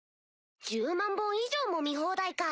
１０万本以上も見放題か。